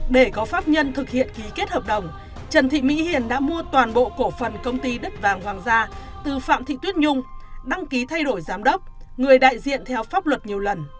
để có pháp nhân thực hiện ký kết hợp đồng trần thị mỹ hiền đã mua toàn bộ cổ phần công ty đất vàng hoàng gia từ phạm thị tuyết nhung đăng ký thay đổi giám đốc người đại diện theo pháp luật nhiều lần